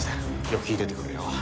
よく聞いといてくれよ。